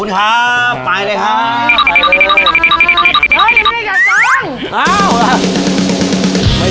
แล้วไม่บอกพี่